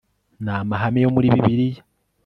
n amahame yo muri bibiliya